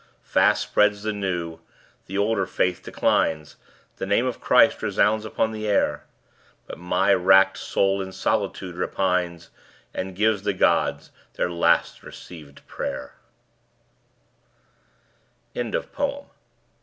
Fast spreads the new; the older faith declines. The name of Christ resounds upon the air. But my wrack'd soul in solitude repines And gives the Gods their last receivèd pray'r. Retrieved from "https://en.